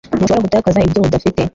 Ntushobora gutakaza ibyo udafite